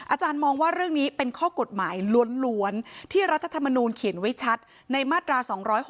อาจารย์มองว่าเรื่องนี้เป็นข้อกฎหมายล้วนที่รัฐธรรมนูลเขียนไว้ชัดในมาตรา๒๖๖